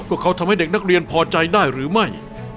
ว่าเขาทำให้เด็กนักเรียนพอใจได้หรือไม่